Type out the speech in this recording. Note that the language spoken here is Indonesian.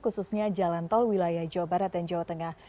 khususnya jalan tol wilayah jawa barat dan jawa tengah